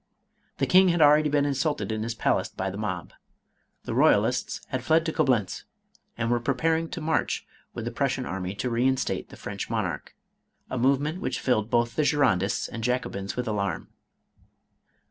The king had already been insulted in his palace by the mob. The royalists had fled to Coblentz, and were preparing to march with the Prussian army to reinstate the French monarch ; a movement which filled both the Girondists and Jacobins with alarm.